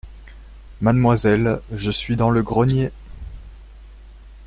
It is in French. Mademoiselle, je suis dans le grenier…